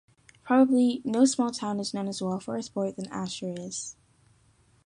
Probably no small town is known as well for a sport than Asher is.